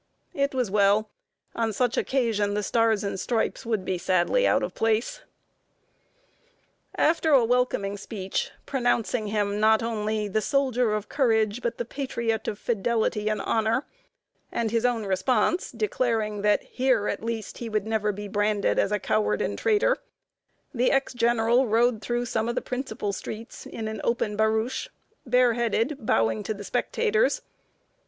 It was well; on such occasion the Stars and Stripes would be sadly out of place. [Sidenote: BRAXTON BRAGG. MR. LINCOLN'S INAUGURAL.] After a welcoming speech, pronouncing him "not only the soldier of courage, but the patriot of fidelity and honor," and his own response, declaring that here, at least, he would "never be branded as a coward and traitor," the ex general rode through some of the principal streets in an open barouche, bareheaded, bowing to the spectators.